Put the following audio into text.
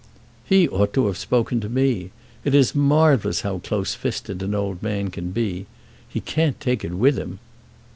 "He ought to have spoken to me. It is marvellous how close fisted an old man can be. He can't take it with him."